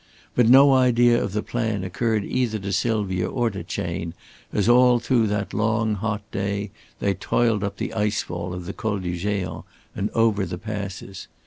But no idea of the plan occurred either to Sylvia or to Chayne as all through that long hot day they toiled up the ice fall of the Col du Géant and over the passes.